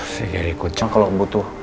saya jadi kucang kalau butuh